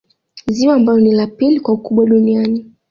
Ziwa ambalo ni la pili kwa ukubwa duniani